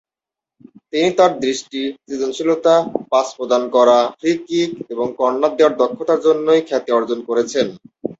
তিনি তার দৃষ্টি, সৃজনশীলতা, পাস প্রদান করা, ফ্রি-কিক এবং কর্নার নেওয়ার দক্ষতার জন্য খ্যাতি অর্জন করেছেন।